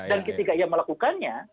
dan ketika ia melakukannya